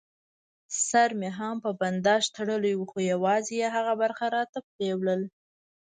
سر مې هم په بنداژ تړلی و، خو یوازې یې هغه برخه راته پرېولل.